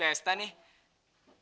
pesta dalam rangka apa sih